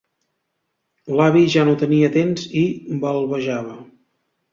L'avi ja no tenia dents i balbejava.